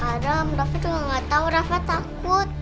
adam rafa juga gak tau rafa takut